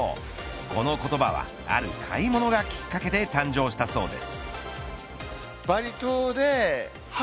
この言葉はある買い物がきっかけで誕生したそうです。